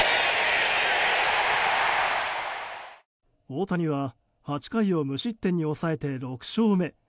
大谷は８回を無失点に抑えて６勝目。